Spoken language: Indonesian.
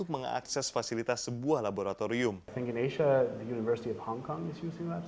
ketika mereka menggunakan platform lab mereka bisa menggunakan platform yang berkualitas